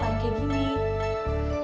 kal aku mau mulek